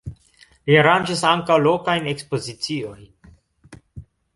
Li aranĝis ankaŭ lokajn ekspoziciojn.